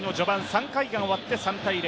３回が終わって４−０。